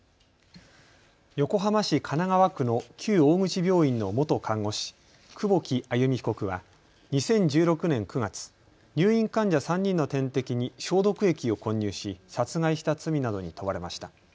横浜市神奈川区の旧大口病院の元看護師、久保木愛弓被告は２０１６年９月、入院患者３人の点滴に消毒液を混入し殺害した罪などに問われました。